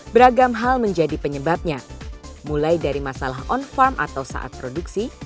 beragam hal menjadi penyebabnya mulai dari masalah on farm atau saat produksi